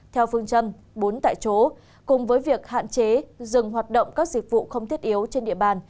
theo phương châm bốn tại chỗ cùng với việc hạn chế dừng hoạt động các dịch vụ không thiết yếu trên địa bàn